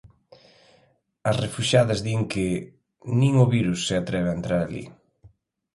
As refuxiadas din que "nin o virus se atreve a entrar alí".